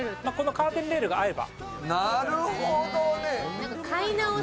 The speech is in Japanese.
カーテンレールが合えば。